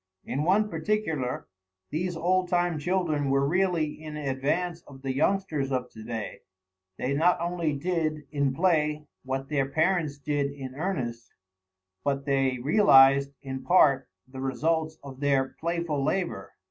In one particular these old time children were really in advance of the youngsters of to day; they not only did, in play, what their parents did in earnest, but they realized, in part, the results of their playful labor.